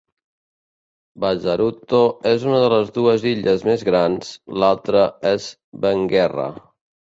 Bazaruto és una de les dues illes més grans, l'altra és Benguerra.